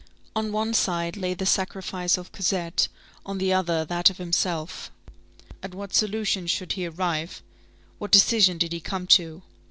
On one side lay the sacrifice of Cosette, on the other that of himself. At what solution should he arrive? What decision did he come to?